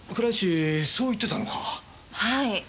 はい。